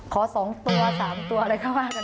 ขอ๒ตัว๓ตัวอะไรก็ว่ากัน